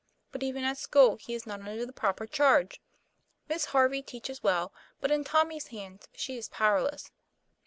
But even at school he is not under the proper charge. Miss Harvey teaches well; but in Tommy's hands she is powerless."